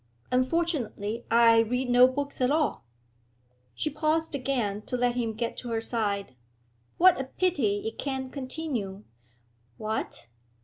'Unfortunately I read no books at all.' She paused again to let him get to her side. 'What a pity it can't continue!' 'What?'